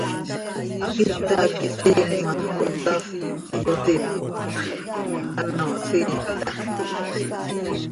Hita quih tiim ma, cohptafp, ihyotiptx, ano hsiih tax.